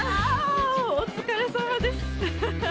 お疲れさまです。